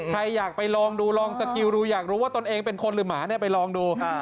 ใครอยากไปลองดูลองสกิลดูอยากรู้ว่าตนเองเป็นคนหรือหมาเนี่ยไปลองดู